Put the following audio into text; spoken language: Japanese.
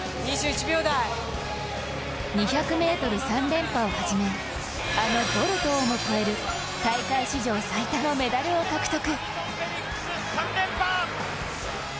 ２００ｍ３連覇をはじめあのボルトをも超える大会史上最多のメダルを獲得。